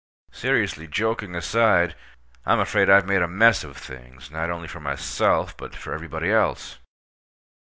Seriously, joking aside, I'm afraid I've made a mess of things, not only for myself, but for everybody else.